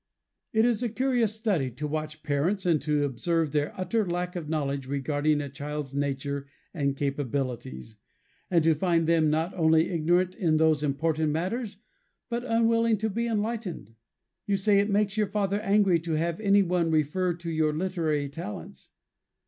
It is a curious study to watch parents, and to observe their utter lack of knowledge regarding a child's nature and capabilities; and to find them not only ignorant in those important matters, but unwilling to be enlightened. You say it makes your father angry to have any one refer to your literary talents.